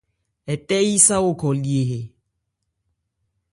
Ɛ tɛ́ yí sá o khɔ lye hɛ.